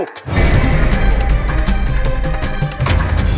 ini adalah keratunku